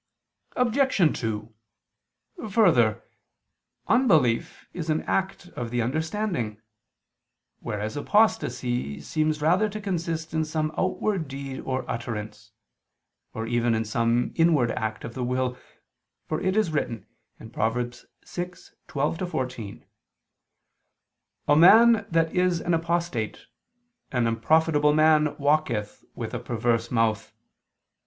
Obj. 2: Further, unbelief is an act of the understanding: whereas apostasy seems rather to consist in some outward deed or utterance, or even in some inward act of the will, for it is written (Prov. 6:12 14): "A man that is an apostate, an unprofitable man walketh with a perverse mouth.